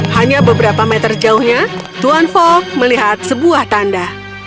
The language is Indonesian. hanya beberapa meter jauhnya tuan fog melihat sebuah tanda